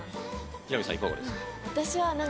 木南さん、いかがですか。